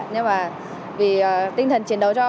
nhưng vì tinh thần chiến đấu cho